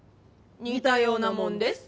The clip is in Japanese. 似たようなもんです。